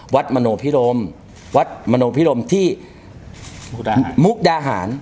วัดมโนพิโรมวัดมโนพิโรมที่มุกดาหารมุกดาหาร